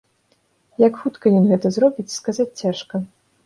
Як хутка ён гэта зробіць, сказаць цяжка.